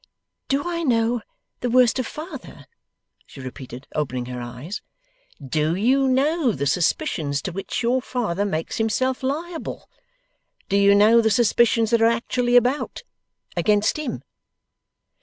'Do I know the worst of father!' she repeated, opening her eyes. 'Do you know the suspicions to which your father makes himself liable? Do you know the suspicions that are actually about, against him?